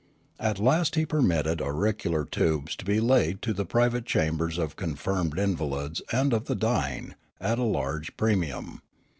At last he permitted auricular tubes to be laid to the private chambers of confirmed invalids and of the dying, at a large premium.